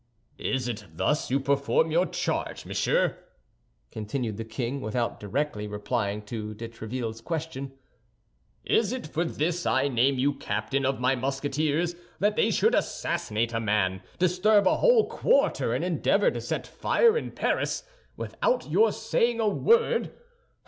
"Is it thus you perform your charge, monsieur?" continued the king, without directly replying to de Tréville's question. "Is it for this I name you captain of my Musketeers, that they should assassinate a man, disturb a whole quarter, and endeavor to set fire to Paris, without your saying a word?